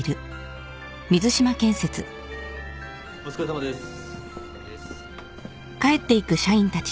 お疲れさまです。